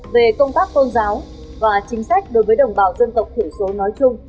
về công tác tôn giáo và chính sách đối với đồng bào dân tộc thiểu số nói chung